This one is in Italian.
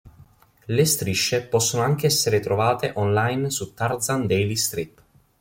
Le strisce possono anche essere trovate on-line su Tarzan daily strip.